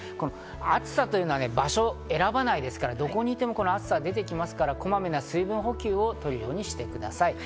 暑さというのは場所を選ばないですから、どこにいても暑さが出てきますから、こまめな水分補給を取るようにしてください。